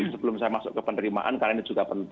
sebelum saya masuk ke penerimaan karena ini juga penting